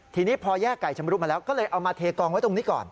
ทีนี้พอแยกไก่ชำรุดมาแล้วก็เลยเอามาเทกองไว้ตรงนี้ก่อน